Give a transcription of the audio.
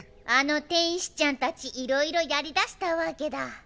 あの天使ちゃんたちいろいろやりだしたわけだ。